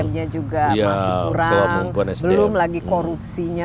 sdm nya juga masih kurang belum lagi korupsinya